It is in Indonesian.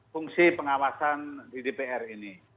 fungsi pengawasan di dpr ini